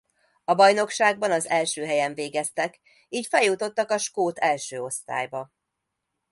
A bajnokságban az első helyen végeztek így feljutottak a skót első osztályba.